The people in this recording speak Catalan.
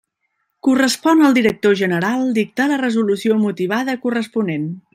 Correspon al director general dictar la resolució motivada corresponent.